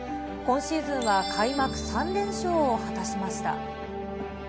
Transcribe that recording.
今シーズンは開幕３連勝を果たしました。